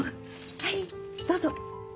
はいどうぞ。